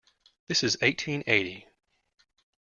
This is eighteen eighty.